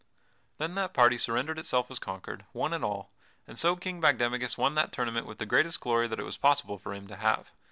Then that party surrendered itself as conquered, one and all, and so King Bagdemagus won that tournament with the greatest glory that it was possible for him to have.